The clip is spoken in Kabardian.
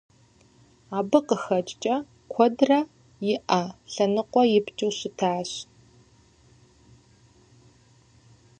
Абы къыхэкӏкӏэ, куэдрэ и ӏэ, лъакъуэ ипкӏэу щытащ.